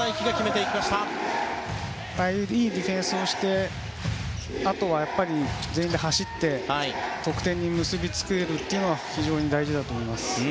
いいディフェンスをしたあとは全員で走って得点に結びつけるというのが非常に大事だと思います。